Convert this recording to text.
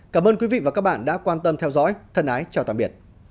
cảm ơn quý vị đã quan tâm theo dõi